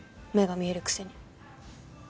目が見えるくせに。